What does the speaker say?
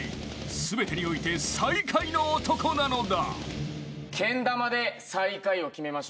［全てにおいて最下位の男なのだ］